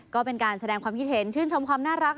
ก็เป็นการแสดงความคิดเห็นชื่นชมความน่ารัก